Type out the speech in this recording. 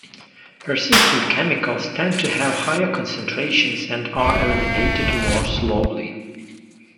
Persistent chemicals tend to have higher concentrations and are eliminated more slowly.